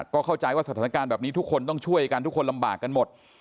ก็เข้าใจว่าสถานการณ์แบบนี้ทุกคนต้องช่วยกันทุกคนลำบากกันหมด